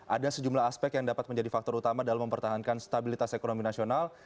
ada sejumlah aspek yang dapat menjadi faktor utama dalam mempertahankan stabilitas ekonomi nasional